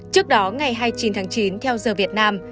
trước đó ngày hai mươi chín tháng chín theo giờ việt nam